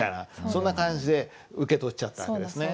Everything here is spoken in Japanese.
そんな感じで受け取っちゃったんですね。